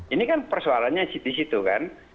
ini kan persoalannya di situ kan